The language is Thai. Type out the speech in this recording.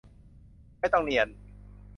ไม่ต้องเนียน